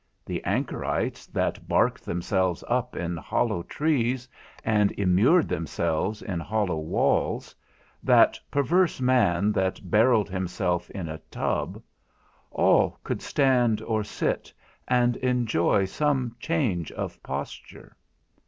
The anchorites that barked themselves up in hollow trees and immured themselves in hollow walls, that perverse man that barrelled himself in a tub, all could stand or sit, and enjoy some change of posture.